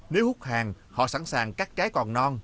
nếu hút hàng họ sẵn sàng cắt trái còn non